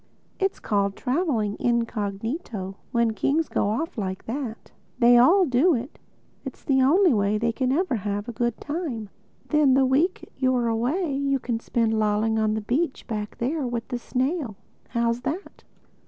It's called traveling incognito, when kings go off like that. They all do it—It's the only way they can ever have a good time. Then the week you're away you can spend lolling on the beach back there with the snail. How's that?"